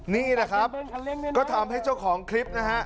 นี่แหละครับก็ทำให้เจ้าของคลิปนะฮะ